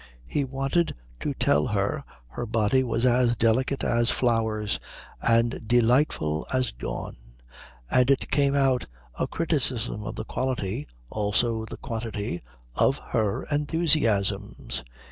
He wanted to tell her her body was as delicate as flowers and delightful as dawn, and it came out a criticism of the quality also the quantity of her enthusiasms.